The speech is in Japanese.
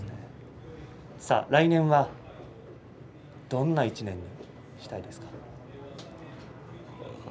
来年はどんな１年にしていきたいですか。